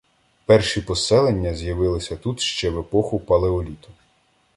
Перші поселення з'явилися тут ще в епоху палеоліту.